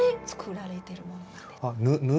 布？